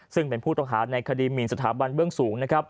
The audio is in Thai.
ซึ่งเป็นผู้ต้องหาในคดีหมินสถาบันเบื้องสูง